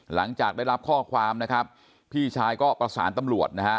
หลังจากได้รับข้อความนะครับพี่ชายก็ประสานตำรวจนะฮะ